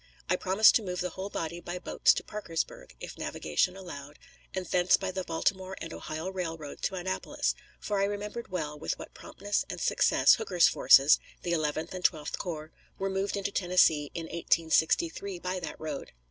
I proposed to move the whole body by boats to Parkersburg if navigation allowed, and thence by the Baltimore and Ohio Railroad to Annapolis, for I remembered well with what promptness and success Hooker's forces, the Eleventh and Twelfth Corps, were moved into Tennessee in 1863 by that road.